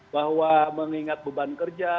bahwa mengingat beban kerja